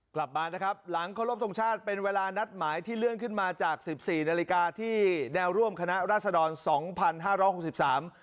กลับมานะครับหลังเคารพทรงชาติเป็นเวลานัดหมายที่เลื่อนขึ้นมาจากสิบสี่นาฬิกาที่แนวร่วมคณะราษดรสองพันห้าร้อยหกสิบสาม